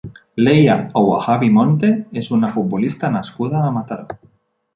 Leila Ouahabi Monte és una futbolista nascuda a Mataró.